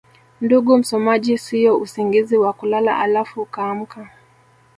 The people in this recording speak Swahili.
ndugu msomaji siyo usingizi wa kulala alafu ukaamka